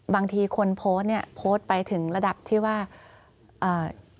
บางทีคนโพสต์เนี้ยโพสต์ไปถึงระดับที่ว่าเอ่อ